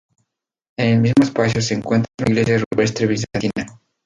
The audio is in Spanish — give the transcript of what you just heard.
En el mismo espacio se encuentra una iglesia rupestre bizantina.